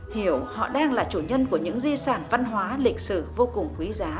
hiểu họ đang là chủ nhân của những di sản văn hóa lịch sử vô cùng quý giá